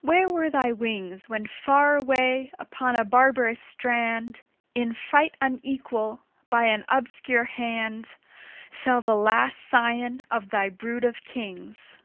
where were thy wings When far away upon a barbarous strand, In fight unequal, by an obscure hand, Fell the last scion of thy brood of Kings!